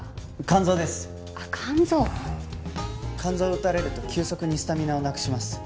肝臓を打たれると急速にスタミナをなくします。